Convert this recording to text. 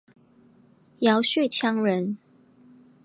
姚绪羌人。